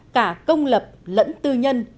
cả công lập lẫn tư nhân